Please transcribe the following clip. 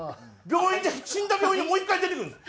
病院で死んだ病院にもう１回出てくるんですよ。